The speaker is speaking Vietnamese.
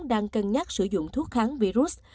đang cân nhắc sử dụng thuốc kháng virus